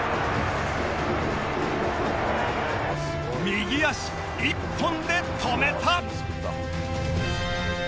右足１本で止めた！